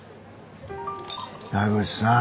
田口さん